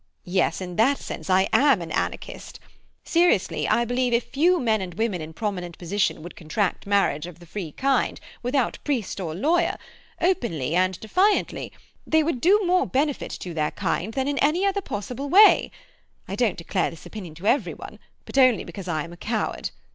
Yes, in that sense I am an anarchist. Seriously, I believe if a few men and women in prominent position would contract marriage of the free kind, without priest or lawyer, open and defiantly, they would do more benefit to their kind than in any other possible way. I don't declare this opinion to every one, but only because I am a coward.